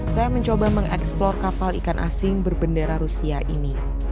saya mencoba mengeksplor kapal ikan asing berbendera rusia ini